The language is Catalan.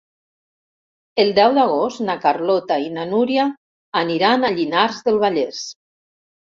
El deu d'agost na Carlota i na Núria aniran a Llinars del Vallès.